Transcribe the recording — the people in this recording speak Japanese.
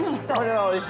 ◆おいしい！